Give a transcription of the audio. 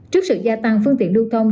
trước sự gia tăng phương tiện lưu thông